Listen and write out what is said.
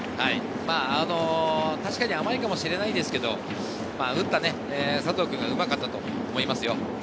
確かに甘いかもしれないんですけど、打った佐藤君がうまかったと思いますよ。